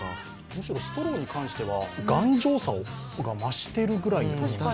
むしろストローに関しては、頑丈さが増してるぐらいの。